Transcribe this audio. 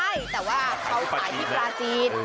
ใช่แต่ว่าเขาขายที่ปลาจีน